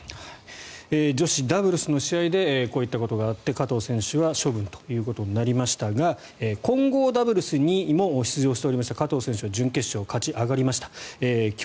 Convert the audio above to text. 女子ダブルスの試合でこういったことがあって加藤選手は処分となりましたが混合ダブルスにも出場しておりまして加藤選手は準決勝勝ち上がりました。